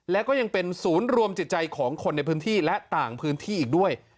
และก็ยังเป็นศูนย์รวมจิตใจของคนในพื้นที่และต่างพื้นที่อีกด้วย